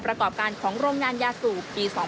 ประกอบกับต้นทุนหลักที่เพิ่มขึ้น